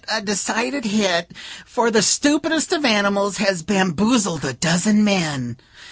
a decided hit! for the stupidest of animals has bamboozled a dozen men.